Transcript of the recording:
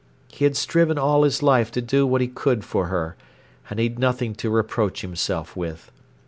He had striven all his life to do what he could for her, and he'd nothing to reproach himself with.